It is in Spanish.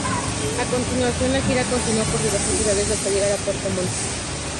A continuación, la gira continuó por diversas ciudades hasta llegar a Puerto Montt.